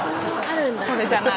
「これじゃない」